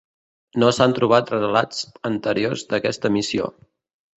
No s'han trobat relats anteriors d'aquesta missió.